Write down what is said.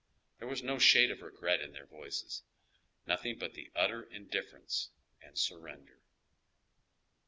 There was no shade of regret in their voices, nothing but utter indifference and surrender.